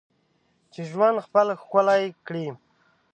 چې ژوند خپل ښکلی کړې.